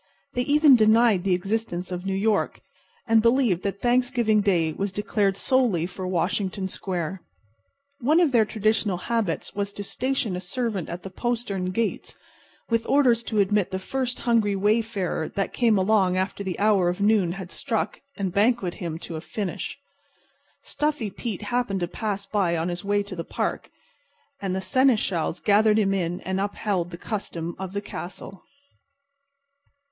They even denied the existence of New York, and believed that Thanksgiving Day was declared solely for Washington Square. One of their traditional habits was to station a servant at the postern gate with orders to admit the first hungry wayfarer that came along after the hour of noon had struck, and banquet him to a finish. Stuffy Pete happened to pass by on his way to the park, and the seneschals gathered him in and upheld the custom of the castle.